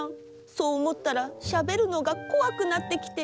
そう思ったらしゃべるのがこわくなってきて。